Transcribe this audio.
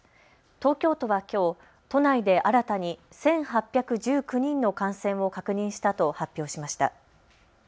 東京都はきょう都内で新たに１８１９人の感染を確認したと発表しました。